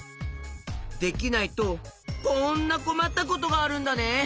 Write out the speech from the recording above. できないとこんなこまったことがあるんだね。